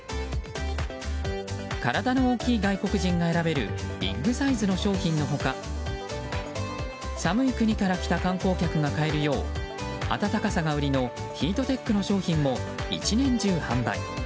体の大きい外国人が選べるビッグサイズの商品の他寒い国から来た観光客が買えるよう温かさが売りのヒートテックの商品も一年中販売。